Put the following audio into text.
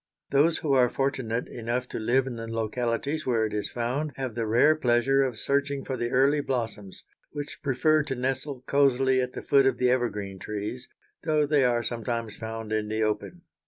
Those who are fortunate enough to live in the localities where it is found have the rare pleasure of searching for the early blossoms, which prefer to nestle cosily at the foot of the evergreen trees, though they are sometimes found in the open.